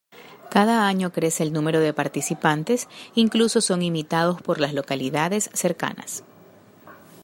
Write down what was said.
Cada año crece el número de participantes, incluso son imitados por las localidades cercanas.